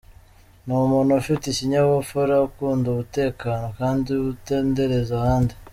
Ni umuntu ufite ikinyabupfura, ukunda umutekano kandi utendereza abandi.